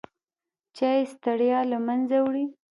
چای ستړیا له منځه وړي.